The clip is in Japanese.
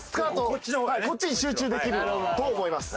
こっちに集中できると思います。